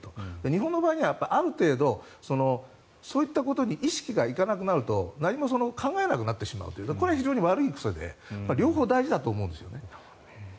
日本の場合にはある程度、そういったことに意識が行かなくなると何も考えなくなってくるというのがこれは非常に悪い癖で両方大事だと思うんですね。